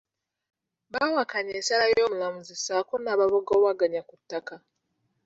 Bawakanya ensala y'omulamuzi ssaako n'ababagobaganya ku ttaka